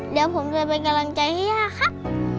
เดี๋ยวผมจะไปกำลังใจให้ย่าค่ะ